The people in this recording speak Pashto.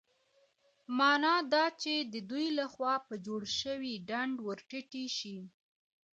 مانا دا چې د دوی له خوا په جوړ شوي ډنډ ورټيټې شي.